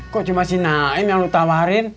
kok cuma si naim yang lu tawarin